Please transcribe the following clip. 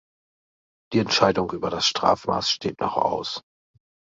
Die Entscheidung über das Strafmaß steht noch aus.